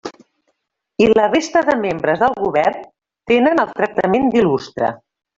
I la resta de membres del govern tenen el tractament d'il·lustre.